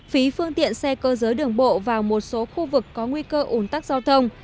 phí phương tiện xe cơ giới đường bộ vào một số khu vực có nguy cơ ủn tắc giao thông